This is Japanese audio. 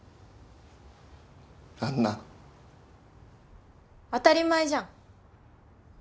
アンナ当たり前じゃん！